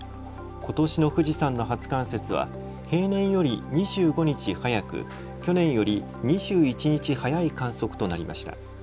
ことしの富士山の初冠雪は平年より２５日、早く去年より２１日早い観測となりました。